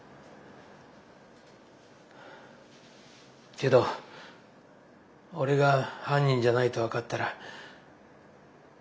けど俺が犯人じゃないと分かったら。